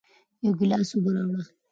یو گیلاس اوبه راوړه